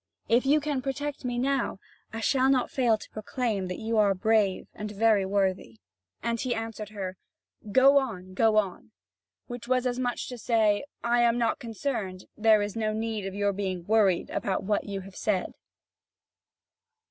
If you can protect me now, I shall not fail to proclaim that you are brave and very worthy." And he answered her: "Go on, go on!" which was as much as to say: "I am not concerned; there is no need of your being worried about what you have said."